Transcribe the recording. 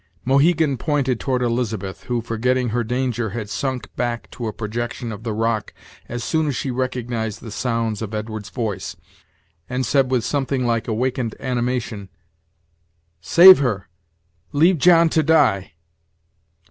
Mohegan pointed toward Elizabeth, who, forgetting her danger, had sunk back to a projection of the rock as soon as she recognized the sounds of Edwards' voice, and said with something like awakened animation: "Save her leave John to die."